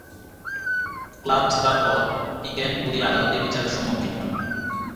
Club ছাড়ার পর, পিকেন বুরি আদালতে বিচারের সম্মুখীন হন।